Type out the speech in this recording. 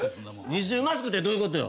２重マスクってどういうことよ？